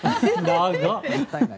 長っ！